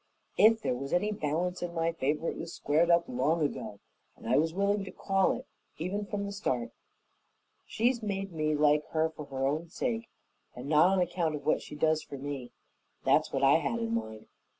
If there was any balance in my favor it was squared up long ago, and I was willing to call it even from the start. She's made me like her for her own sake and not on account of what she does for me, and that's what I had in mind.